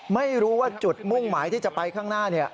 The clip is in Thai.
ไม่รู้ว่าจุดมุ่งหมายที่จะไปข้างหน้า